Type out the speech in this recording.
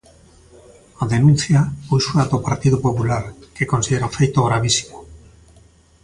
A denuncia púxoa do Partido Popular, que considera o feito gravísimo.